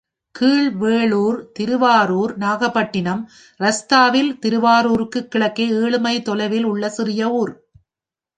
கீழ் வேளூர், திருவாரூர் நாகப்பட்டினம் ரஸ்தாவில் திருவாரூருக்குக் கிழக்கே ஏழுமைல் தொலைவில் உள்ள சிறிய ஊர்.